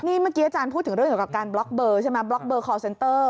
นี่เมื่อกี้อาจารย์พูดถึงเรื่องเกี่ยวกับการบล็อกเบอร์ใช่ไหมบล็อกเบอร์คอร์เซนเตอร์